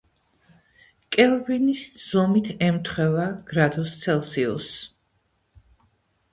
კელვინი ზომით ემთხვევა გრადუს ცელსიუსს.